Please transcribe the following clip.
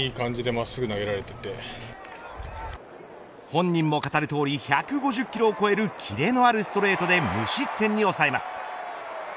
本人も語るとおり１５０キロを超えるキレのあるストレートで無失点に抑えます。